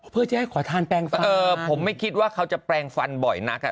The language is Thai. เพื่อจะให้ขอทานแปลงฟันเออผมไม่คิดว่าเขาจะแปลงฟันบ่อยนักอ่ะ